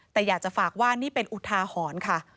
แต่อยากจะฝากว่านี่เป็นอุทาหรณ์ค่ะ